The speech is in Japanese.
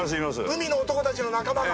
海の男たちの仲間が。